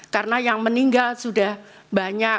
karena yang meninggal sudah banyak